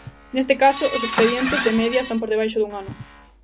Neste caso, os expedientes, de media, están por debaixo dun ano.